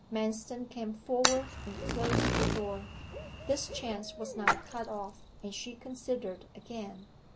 Manston came forward and closed the door. This chance was now cut off, and she considered again.